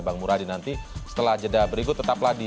bang muradi nanti setelah jeda berikut tetaplah di